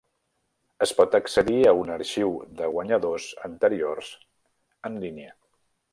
Es pot accedir a un arxiu de guanyadors anteriors en línia.